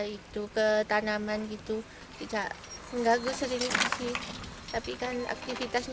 itu ke tanaman gitu tidak menggagus sering sering